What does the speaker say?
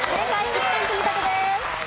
１点積み立てです。